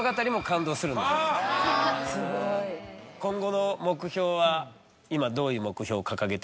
今後の目標は？